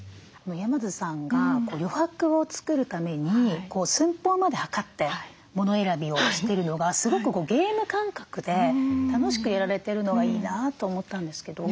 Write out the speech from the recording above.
山津さんが余白を作るために寸法まで測って物選びをしてるのがすごくゲーム感覚で楽しくやられてるのがいいなと思ったんですけど。